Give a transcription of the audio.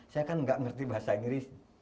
saya kan tidak mengerti bahasa inggris